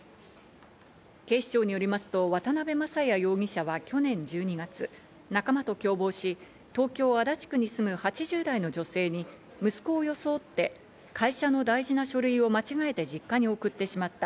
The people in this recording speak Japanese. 警視庁によりますと渡辺雅也容疑者は去年１２月、仲間と共謀し、東京・足立区に住む８０代の女性に息子を装って、会社の大事な書類を間違えて実家に送ってしまった。